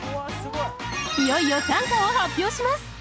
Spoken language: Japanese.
いよいよ短歌を発表します